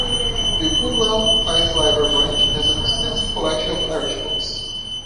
The Woodlawn Heights Library Branch has an extensive collection of Irish books.